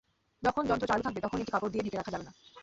যখন যন্ত্র চালু থাকবে তখন এটি কাপড় দিয়ে ঢেকে রাখা যাবে না।